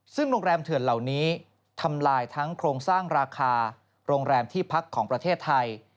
ซึ่งโรงแรมเถื่อนเหล่านี้ทำลายทั้งโครงสร้างราคาโรงแรมที่พักของประเทศไทย